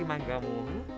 terima kasih kamu